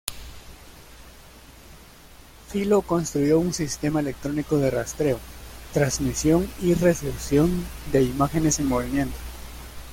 Philo construyó un sistema electrónico de rastreo, transmisión y recepción de imágenes en movimiento.